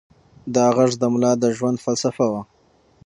دا غږ د ملا د ژوند فلسفه وه.